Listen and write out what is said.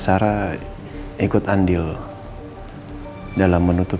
kalau gitu saya permisi pak